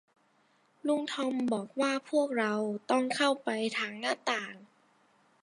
ลุงทอมบอกว่าพวกเราต้องเข้าไปทางหน้าต่าง